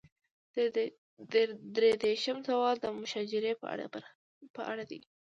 درې دېرشم سوال د مشاجرې په اړه دی.